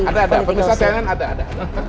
ada ada pemirsa cnn ada ada